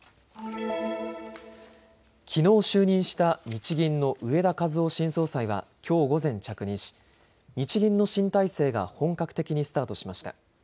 きのう就任した日銀の植田和男新総裁はきょう午前、着任し日銀の新体制が本格的にスタートしました。